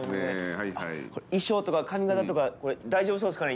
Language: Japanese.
衣装とか髪形とかこれ大丈夫そうですかね？